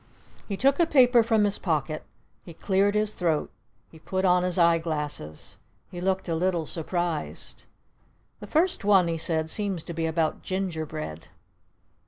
He took a paper from his pocket. He cleared his throat. He put on his eye glasses. He looked a little surprised. "The first one," he said, "seems to be about 'Ginger bread'!"